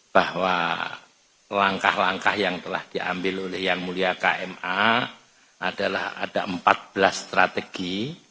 bahwa langkah langkah yang telah diambil oleh yang mulia kma adalah ada empat belas strategi